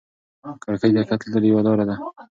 کړکۍ د حقیقت لیدلو یوه لاره ده.